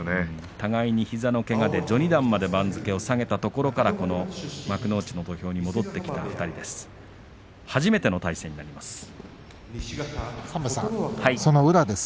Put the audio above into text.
互いに膝のけがで序二段まで番付を下げたところから幕内の土俵に戻ってきた２人です。